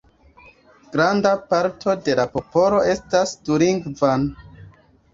Granda parto de la popolo estas dulingva.